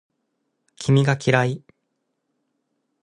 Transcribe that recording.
君が嫌い